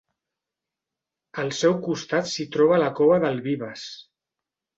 Al seu costat s'hi troba la cova del Vives.